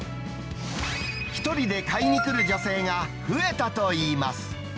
１人で買いに来る女性が増えたといいます。